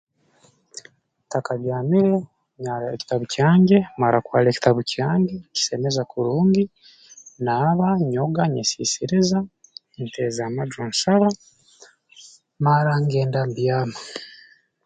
Ntakabyamire nyara ekitabu kyange mara kwara ekitabu kyange nkisemeza kurungi naaba nyoga nyesiisiriza nteeza amaju nsaba mara ngenda mbyama